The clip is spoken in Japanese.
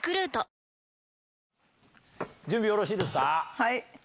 はい。